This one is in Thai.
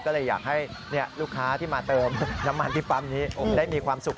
ก็เลยอยากให้ลูกค้าที่มาเติมน้ำมันที่ปั๊มนี้ได้มีความสุข